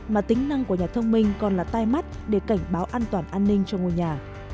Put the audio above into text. mà tính năng của nhà thông minh còn là tai mắt để cảnh báo an toàn an ninh cho ngôi nhà